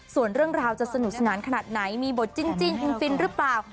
ส่วนเรื่องราวจะสนุกสนานขนาดไหนมีบทจริงฟินหรือเปล่า